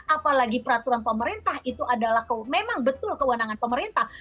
apalagi peraturan pemerintah itu adalah memang betul kewenangan pemerintah